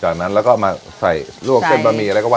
จากนั้นแล้วก็มาใส่ร่วมเส้นบาหมีอะไรวะกันไป